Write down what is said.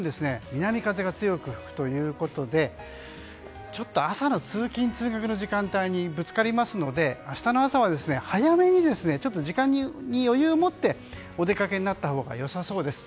南風が強く吹くということで朝の通勤・通学の時間帯にぶつかりますので明日の朝は早めに時間に余裕を持ってお出かけになったほうがよさそうです。